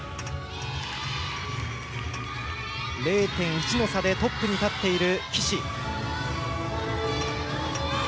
０．１の差でトップに立っている岸。